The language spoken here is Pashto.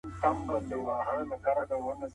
څه ډول کولای سو د نورو ژوند اسانه کړو؟